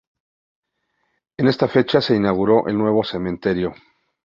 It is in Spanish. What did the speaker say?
En esta fecha se inauguró el nuevo cementerio.